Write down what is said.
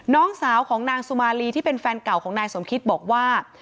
น้องสาวของนางสุมาลีที่เป็นแฟนเก่าของนายสมคิตบอกว่า